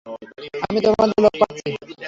আমি আমাদের লোক পাঠাচ্ছি।